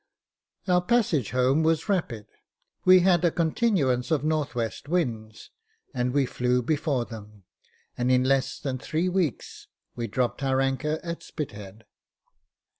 Our passage home was rapid. We had a con tinuance of N.W. winds, and we flew before them, and, in less than three weeks, we dropped our anchor at Spithead.